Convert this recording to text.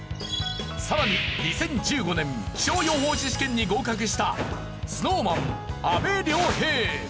さらに２０１５年気象予報士試験に合格したＳｎｏｗＭａｎ阿部亮平。